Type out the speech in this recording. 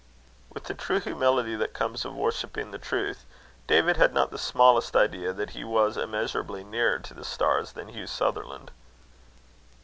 With the true humility that comes of worshipping the Truth, David had not the smallest idea that he was immeasurably nearer to the stars than Hugh Sutherland.